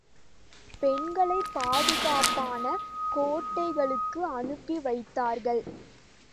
பெண்களைப் பாதுகாப்பான கோட்டைகளுக்கு அனுப்பி வைத்தார்கள்.